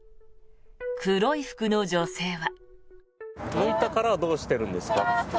黒い服の女性は。